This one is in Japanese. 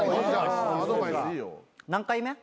何回目？